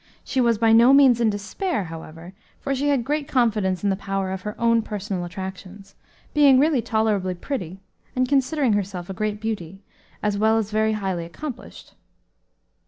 She was by no means in despair, however, for she had great confidence in the power of her own personal attractions, being really tolerably pretty, and considering herself a great beauty, as well as very highly accomplished.